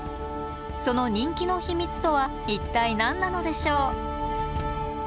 その人気の秘密とは一体何なのでしょう？